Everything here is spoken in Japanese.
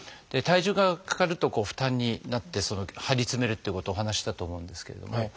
体重がかかると負担になって張り詰めるっていうことをお話ししたと思うんですけれども。